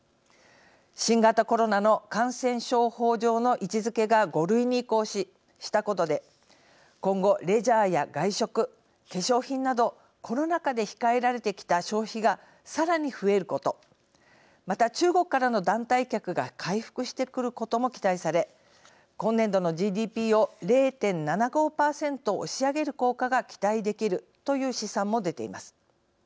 新型コロナの感染症法上の位置づけが５類に移行したことで今後レジャーや外食化粧品などコロナ禍で控えられてきた消費がさらに増えることまた中国からの団体客が回復してくることも期待され今年度のＧＤＰを０．７５％押し上げる効果が期待できるという試算も出ています。